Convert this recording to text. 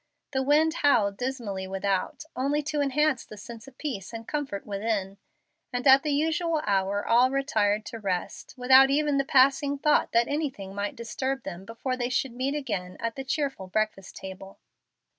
The wind howled dismally without, only to enhance the sense of peace and comfort within, and at the usual hour all retired to rest, without even the passing thought that anything might disturb them before they should meet again at the cheerful breakfast table.